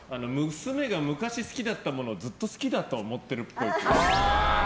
娘が昔好きだったものをずっと好きだと思ってるっぽい。